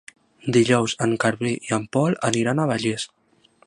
Dijous en Garbí i en Pol aniran a Begís.